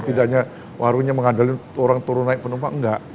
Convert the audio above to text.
tidaknya warungnya mengandalkan orang turun naik penumpang nggak